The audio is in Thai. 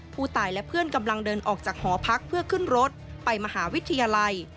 ผู้ตายและเพื่อนกำลังเดินออกจากหอพักเพื่อขึ้นรถไปมหาวิทยาลัย